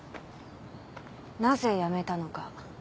なぜ辞めたのか。